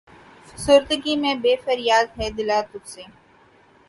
فسردگی میں ہے فریادِ بے دلاں تجھ سے